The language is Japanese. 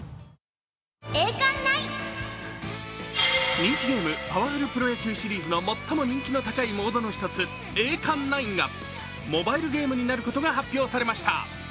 人気ゲーム「パワフルプロ野球」の最も人気の高いモードの１つ、栄冠ナインがモバイルゲームになることが発表されました。